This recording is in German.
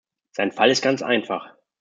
Sein Fall ist ganz einfach.